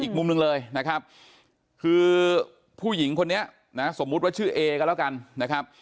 อีกมุมหนึ่งเลยนะครับคือผู้หญิงคนนี้นะสมมุติว่าชื่อเอก็แล้วกันนะครับ